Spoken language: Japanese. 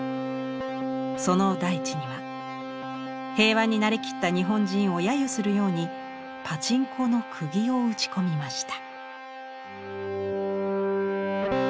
その大地には平和に慣れきった日本人を揶揄するようにパチンコの釘を打ち込みました。